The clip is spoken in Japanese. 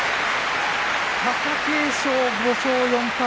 貴景勝も５勝４敗。